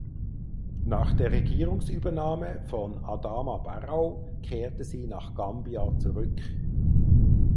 Nach der Regierungsübernahme von Adama Barrow kehrte sie nach Gambia zurück.